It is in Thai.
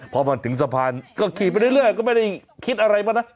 พอมาถึงสะพานก็ขี่ไปเรื่อยก็ไม่ได้คิดอะไรมากนะ